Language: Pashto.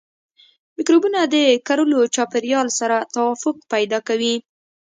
مکروبونه د کرلو چاپیریال سره توافق پیدا کوي.